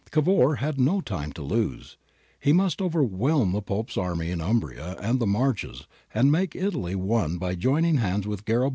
/ Cavour had no time to lose. He must overwhelm the Pope's army in Umbria and the Marches and make Italy one by joining hands with Garibaldi in Naples.